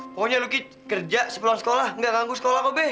pokoknya luki kerja sepulang sekolah enggak ganggu sekolah kok be